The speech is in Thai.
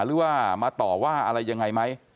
หรือว่ามาต่อว่าอะไรยังไงไหม